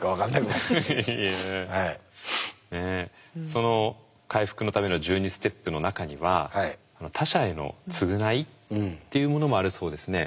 その回復のための１２ステップの中には他者への償いっていうものもあるそうですね。